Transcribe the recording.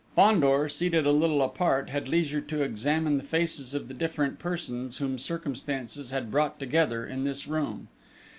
Fandor, seated a little apart, had leisure to examine the faces of the different persons whom circumstances had brought together in this room.